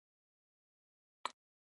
هغه په اروپا کې چاپ شوي کتابونه لوستي وو.